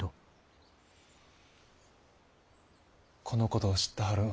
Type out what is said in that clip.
このことを知ったはるんは？